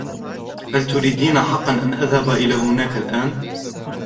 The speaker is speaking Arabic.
هل تريدني حقاً أن أذهب إلى هناك الأن ؟